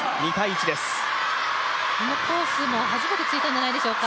あのコースも初めて突いたんじゃないでしょうか。